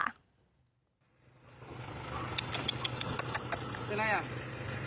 เป็นอะไรอะ